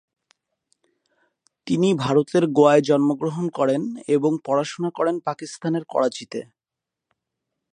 তিনি ভারতের গোয়ায় জন্মগ্রহণ করেন এবং পড়াশোনা করেন পাকিস্তানের করাচিতে।